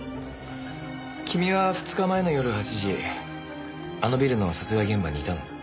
君は２日前の夜８時あのビルの殺害現場にいたの？